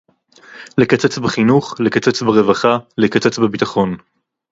לקצץ בחינוך, לקצץ ברווחה, לקצץ בביטחון